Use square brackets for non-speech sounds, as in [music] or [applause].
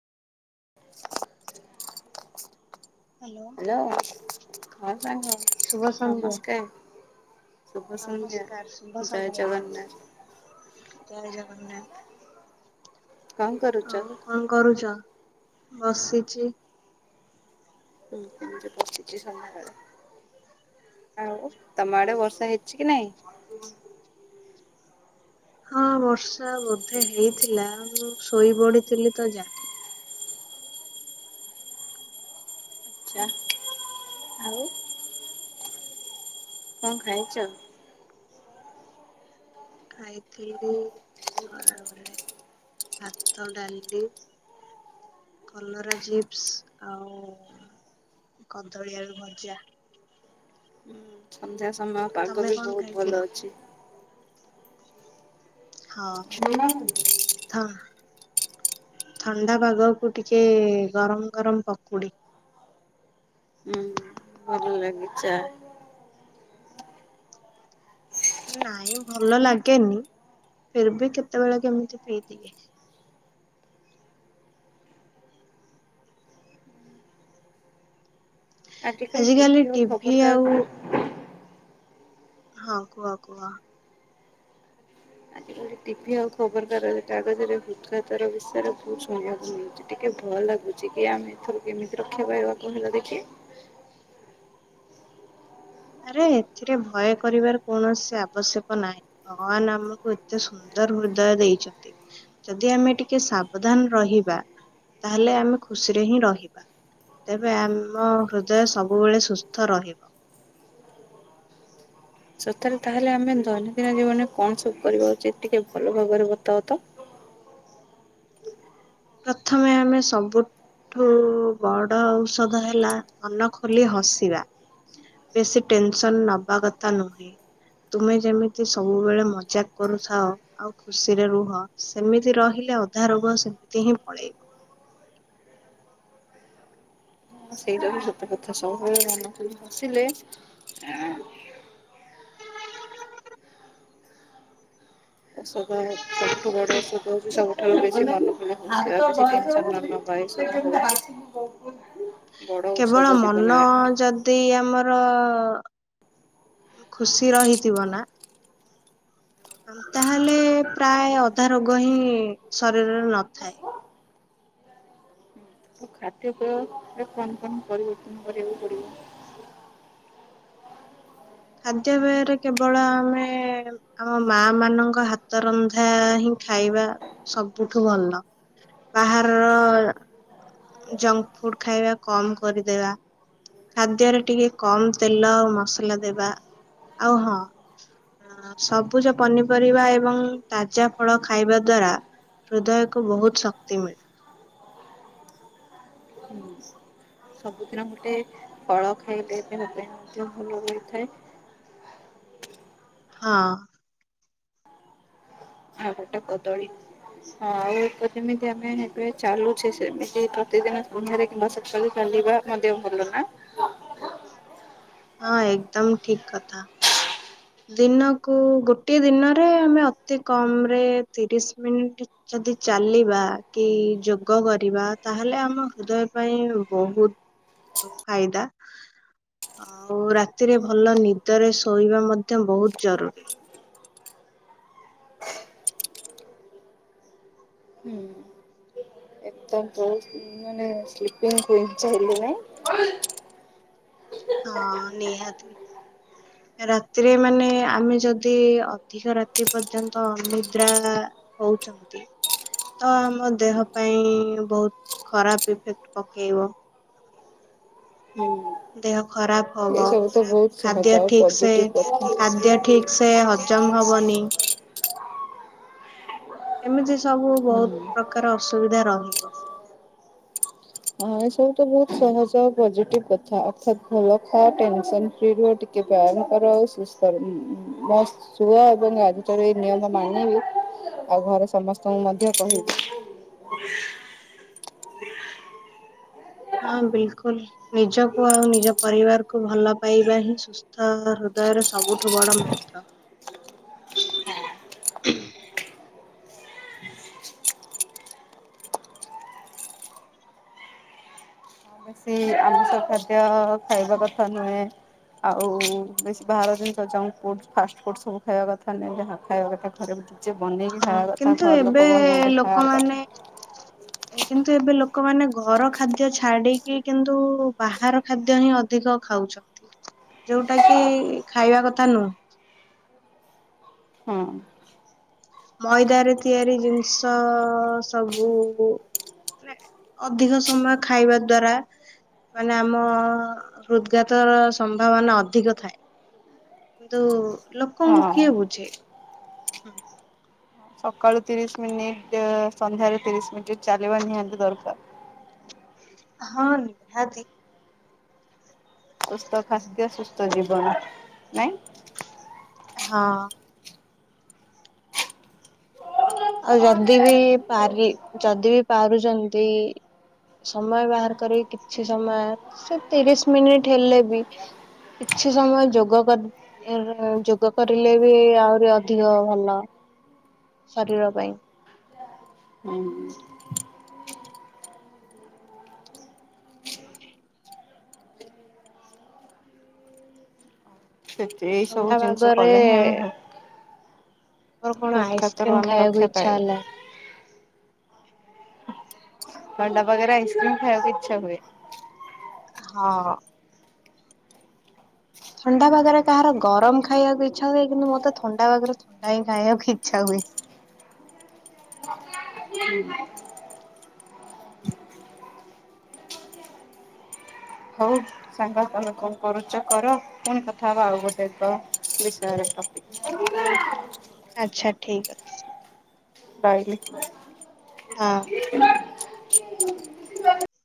Hello ହଁ ସାଙ୍ଗ ଶୁଭ ସନ୍ଧ୍ୟା। ନମସ୍କାର। ଶୁଭ ସନ୍ଧ୍ୟା ନମସ୍କାର ଶୁଭ ଜୟ ସନ୍ଧ୍ୟା ଜଗନ୍ନାଥ। ଜୟ ଜଗନ୍ନାଥ କଣ କରୁଛ? ଆଉ କଣ କରୁଛ ବସିଚି। [inaudible] ଆଉ ତମ ଆଡେ ବର୍ଷା ହେଇଛି କି ନାଇଁ? ହଁ ବର୍ଷା ବୋଧେ ହେଇଥିଲା ମୁଁ ଶୋଇ ପଡିଥିଲି ତ ଜା [inaudible] ଆଉ କଣ ଖାଇଛ? ଖାଇଥିଲି ଖରାବେଳେ ଭାତ ଡାଲି। କଲରା ଚିପ୍ସ ଆଉ କଦଳୀ ଆଳୁ ଭଜା। ସନ୍ଧ୍ୟା ସମୟ ପାଗ ତମେ ବି କଣ ବହୁତ ଖାଇଥିଲ? ଭଲ ଅଛି। ହଁ। ହୁଁ ହଁ ଥଣ୍ଡା ପାଗକୁ ଟିକେ ଗରମ ଗରମ ପକୁଡି। ହୁଁ। [inaudible] ଲାଗି ଚା। ନାଇଁ ଭଲ ଲାଗେନି ଫିର୍ ବି କେତେବେଳେ କେମିତି ପିଇଦିଏ। ଆଜିକାଲି ଟିଭିି ଓ ଟିଭି ଆଉ ଖବରକାଗଜ ରେ ହଁ କୁହ କୁହ? ଟିଭି ଆଉ ଖବରକାଗଜ କାଗଜରେ ହୃଦ୍ ଘାତ ବିଷୟରେ ବହୁତ ଶୁଣିବାକୁ ମିଳୁଛି ଟିକେ ଭଲ ଲାଗୁନି। କି ଆମେ ଏଥରୁ କେମିତି ରକ୍ଷା ପାଇବା କହିଲ ଦେଖି? ଆରେ ଏଥିରେ ଭୟ କରିବାର କୌଣସି ଆବଶ୍ୟକ ନାହିଁ। ଭଗବାନ ଆମକୁ ଏତେ ସୁନ୍ଦର ହୃଦୟ ଦେଇଛନ୍ତି। ଯଦି ଆମେ ଟିକେ ସାବଧାନ ରହିବା ତାହେଲେ ଆମେ ଖୁସିରେ ହିଁ ରହିବା। ତେବେ ଆମ ହୃଦୟ ସବୁବେଳେ ସୁସ୍ଥ ରହିବ। ସତରେ ତାହେଲେ ଆମେ ଦୈନନ୍ଦିନ ଜୀବନରେ କଣ ସବୁ କରିବା ଉଚିତ ଟିକେ ଭଲ ଭାବରେ ବତାଅ ତ? ପ୍ରଥମେ ଆମେ ସବୁ ଠୁ ବଡ ଔଷଧ ହେଲା ମନ ଖୋଲି ହସିବା। ବେଶୀ ଟେନ୍ ସନ୍ ନବା କଥା ନୁହେଁ। ତୁମେ ଯେମିତି ସବୁବେଳେ ମଜାକ୍ କରୁଥାଅ। ଆଉ ଖୁସିରେ ରୁହ ସେମିତି ରହିଲେ ଅଧା ରୋଗ ସେମିତି ହିଁ ପଳେଇବ। ସେଇଟା ବି ସତ କଥା ସବୁବେଳେ ମନ ହସିଲେ ଆଁ ତା [inaudible] ସବୁଠୁ ବଡ ଔଷଧ ହେଉଛି ସବୁଠାରୁ ବେଶୀ ଭଲ [inaudible] କେବଳ ମନ ଜୀବନରେ ଆ ଯଦି ଦି ଆମର ଖୁସି ରହିଥିବ ନା ତାହେଲେ ପ୍ରାୟ ଅଧା ରୋଗ ହିଁ ଶରୀରରେ ନଥାଏ। ଆଉ ଖାଦ୍ୟପେୟରେ କଣ କଣ ପରିବର୍ତ୍ତନ କରିବାକୁ ପଡିବ? ଖାଦ୍ୟପେୟରେ କେବଳ ଆମେ ଆମ ମା ମାନଙ୍କ ହାତ ରନ୍ଧା ହିଁ ଖାଇବା ସବୁଠୁ ଭଲ। ବାହାରର ଜଙ୍କ ଫୁଡ ଖାଇବା କମ କରିଦେବା। ଖାଦ୍ୟରେ ଟିକେ କମ ତେଲ ଆଉ ମସଲା ଦେବା ଆଉ ହଁ। ସବୁଜ ପନିପରିବା ଏବଂ ତାଜା ଫଳ ଖାଇବା ଦ୍ଵାରା ହୃଦୟକୁ ବହୁତ ଶକ୍ତି ମିଳେ। [inaudible] ସବୁଦିନ ଗୋଟେ ଫଳ ଖାଇଲେ ଦେହ ପାଇଁ ମଧ୍ୟ ଭଲ ହୋଇଥାଏ। ହଁ। ଆଉ ଗୋଟେ କଦଳି। ହଁ ଏଇତ ଯେମିତି ଆମେ ଏବେ ଚାଲୁଛେ ସେମିତି ପ୍ରତିଦିନ ସନ୍ଧ୍ୟାରେ କିମ୍ବା ସକାଳେ ଚାଲିବା। ତମ ଦେହ ଭଲ ନା? ହଁ ଏକଦମ୍ ଠିକ୍ କଥା। ଦିନକୁ ଗୋଟଏ ଦିନରେ ଆମେ ଅତି କମରେ ତିରିଶ ମିନିଟ୍ ଯଦି ଚାଲିବା କି ଯୋଗ କରିବା ତାହେଲେ ଆମ ହୃଦୟ ପାଇଁ ବହୁତ ଫାଇଦା ଆଉ ରାତିରେ ଭଲ ନିଦରେ ଶୋଇବା ମ ତ ବହୁତ ଜରୁରୀ। ହୁଁ। ତା ମାନେ ସ୍ଲିପିଙ୍ଗ କ ଚା ହେଲି ନାହିଁ। ହଁ ନିହାତି। ରାତିରେ ମାନେ ଆମେ ଯଦି ଅଧିକ ରାତି ପର୍ଯ୍ୟନ୍ତ ଅନିଦ୍ରା ହଉଛନ୍ତି। ତ ଆମ ଦେହ ପାଇଁ ବହୁତ ଖରାପ ଇଫେକ୍ଟ ପକେଇବ। ହୁଁ। ଦେହ ଖରାପ ହବ ସହଜ ଖାଦ୍ୟ ଆଉ ଠିକ ସେ ପଜିଟିଭ କଥା। ଖାଦ୍ୟ ଠିକ୍ ସେ ହଜମ ହବନି। ଏମିତି ସବୁ ହୁଁ। ବହୁତ ପ୍ରକାର ଅସୁବିଧା ରହିବ। ହଁ ଏସବୁ ତ ବହୁତ ସହଜ ପଜିଟିଭ କଥା ଅର୍ଥାତ ଭଲ ଖା ଟେନସନ ଫ୍ରିରୁ ଠିକ୍ ଟିକେ ପାଳନ କର ଆଉ ସୁସ୍ଥ ରୁ ହୁଁ। ଶୁଅ ଏବଂ ଆଜି ଠାରୁ ଏଇ ନିୟମ ମାନିବୁ ଆଉ ଘରେ ସମସ୍ତଙ୍କୁ ମଧ୍ୟ କହିବି। [inaudible] ହଁ ବିଲକୁଲ ନିଜକୁ ଆଉ ନିଜ ପରିବାରକୁ ଭଲ ପାଇବା ହିଁ ସୁସ୍ ସୁନ୍ଦର ହୃଦୟରେ ସବୁଠୁ ବଡ ମୁ ସେ ଆମ ସହଜ ଖାଇବା କଥା ନୁହେଁ। ଆଉ ବେଶୀ ବାହାର ଜିନିଷ ଜଙ୍କଫୁଡ଼ ଫାଷ୍ଟଫୁଡ଼ ସବୁ ଖାଇବା କଥା ନୁହେଁ ଯାହା ଖାଇବା କଥା ଘରେ ବନେଇକି ହଁ ଖାଇବା କଥା କିନ୍ତୁ ଘର ଲୋକ ଏବେ ବନେଇଲେ ଖାଇବା ଲୋକମାନେ କଥା। କିନ୍ତୁ ଏବେ ଲୋକମାନେ ଘର ଖାଦ୍ୟ ଛାଡିକି କିନ୍ତୁ ବାହାର ଖାଦ୍ୟ ହିଁ ଅଧିକ ଖାଉ ଛତି ଯୋଉଟା କି ଖାଇବା କଥା ନୁ ହଁ। ମଇଦାରେ ତିଆରି ଜିନିଷ ସବୁକୁ ଅଧିକ ସମୟ ଖାଇବା ଦ୍ଵାରା ମାନେ ଆମ ହୃଦଘାତର ସମ୍ଭାବନା ଅଧିକ ଥାଏ। କିନ୍ତୁ ଲୋକଙ୍କୁ ହଁ। କିଏ ବୁଝେ? ସକାଳୁ ତିରିଶ ମିନିଟ୍ ସନ୍ଧ୍ୟାରେ ତିରିଶ ମିନିଟ ଚାଲିବା ନିହାତି ଦରକାର। ହଁ ନିହାତି। ସୁସ୍ଥ ଖାଦ୍ୟ ସୁସ୍ଥ ଜୀବନ ନାଇଁ। ହଁ। ଆଉ ଯଦି ବି ପାରି ଯଦି ବି ପାରୁଛନ୍ତି। ସମୟ ବାହାର କରିକି କିଛି ସମୟ ସେ ତିରିଶ ମିନିଟ ହେଲେ ବି କିଛି ସମୟ ଯୋଗ କରି [inaudible] ଯୋଗ କରିଲେ ବି ଆହୁରି ଅଧିକ ଭଲ। ଶରୀର ପାଇଁ। [inaudible] ସେତ ଏଇ ସବୁ ଥଣ୍ଡା ଜିନିଷ ପାଗରେ କଲେ ହିଁ ଆମେ ମୋର କଣ ହୃଦଘାତରୁ ଆଇସ୍କ୍ରିମ୍ ଆମେ ରକ୍ଷା ଖାଇବାକୁ ଇଚ୍ଛା ପାଇବା। ହେଲା। ଥଣ୍ଡା ପାଗରେ ଆଇସ୍କ୍ରିମ ଖାଇବାକୁ ଇଛା ହୁଏ। ହଁ। ଥଣ୍ଡା ପାଗରେ କାହାର ଗରମ ଖାଇବାକୁ ଇଚ୍ଛା ହୁଏ କିନ୍ତୁ ମୋତେ ଥଣ୍ଡା ପାଗରେ ଥଣ୍ଡା ହିଁ ଖାଇବାକୁ ଇଚ୍ଛା ହୁଏ। [inaudible] ହଉ ସାଙ୍ଗ ତମେ କଣ କରୁଛ କର କଣ କଥା ହବା ଆଉ ଗୋଟେ ଏକ ବିଷୟରେ ଟପିକ। [inaudible] ଆଛା, ଠିକ୍ ଅଛି। ପାଇଲି। ହଁ।